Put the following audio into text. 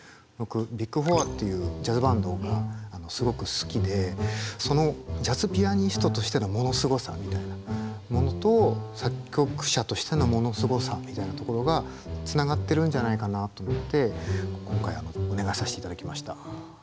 僕ビッグ・フォアっていうジャズバンドがすごく好きでそのジャズピアニストとしてのものすごさみたいなものと作曲者としてのものすごさみたいなところがつながってるんじゃないかなと思って今回お願いさせていただきました。